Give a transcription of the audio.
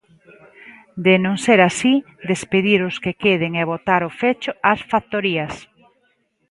De non ser así, despedir os que queden e botar o fecho ás factorías.